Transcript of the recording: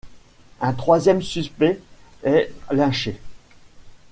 Un troisième suspect est lynché.